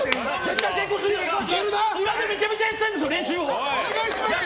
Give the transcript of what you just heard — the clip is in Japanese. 裏でめちゃめちゃやったんです練習を。